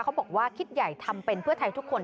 เขาบอกว่าคิดใหญ่ทำเป็นเพื่อไทยทุกคน